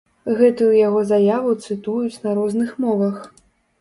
Гэтую яго заяву цытуюць на розных мовах.